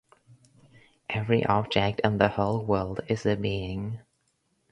Every object in the whole world is a being.